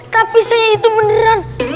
tapi saya itu beneran